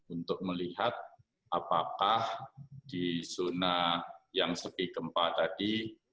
untuk melihat apakah di zona yang sepi gempa tadi